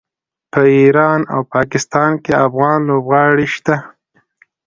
په ایران او پاکستان کې افغان لوبغاړي شته.